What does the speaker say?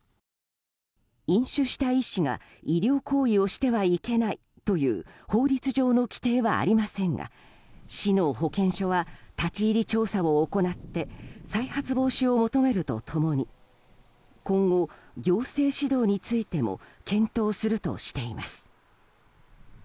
飲酒した医師が医療行為をしてはいけないという法律上の規定はありませんが市の保健所は立ち入り調査を行って再発防止を求めると共に今後、行政指導についても検討するとしています。